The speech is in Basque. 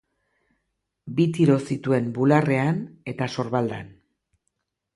Bi tiro zituen bularrean eta sorbaldan.